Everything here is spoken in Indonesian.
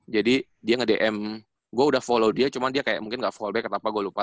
jadi dia nge dm gua udah follow dia cuman dia kayak mungkin ga follow back atau apa gua lupa